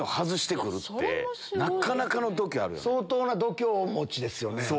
相当な度胸をお持ちですよね。